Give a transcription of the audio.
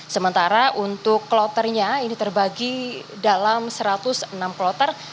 sementara untuk kloternya ini terbagi dalam satu ratus enam kloter